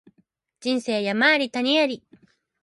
人生山あり谷あり